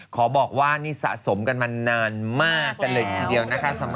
ขอบอกว่านี่สะสมกันมานานมากเลยทีเดียวสำหรับเขากิน